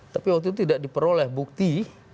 tapi waktu itu tidak diperoleh bukti